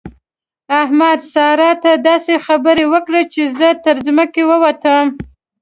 احمد؛ سارا ته داسې خبرې وکړې چې زه تر ځمکه ووتم.